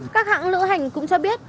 các hãng lữ hành cũng cho biết